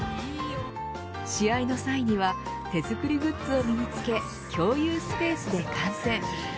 試合の際には手作りグッズを身につけ共有スペースで観戦。